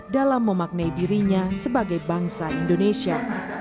dalam memaknai dirinya sebagai bangsa indonesia